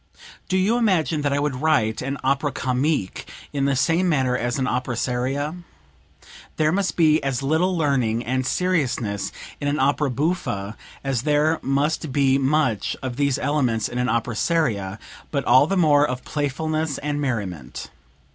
"Do you imagine that I would write an opera comique in the same manner as an opera seria? There must be as little learning and seriousness in an opera buffa as there must be much of these elements in an opera seria; but all the more of playfulness and merriment.